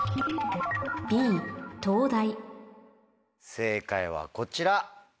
正解はこちら。